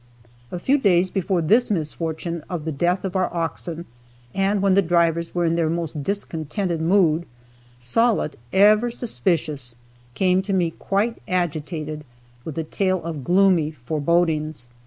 A few days before this misfortune of the death of our oxen and when the drivers were in their most discontented mood, Sollitt, ever suspicious, came to me quite agitated with a tale of gloomy forebodings.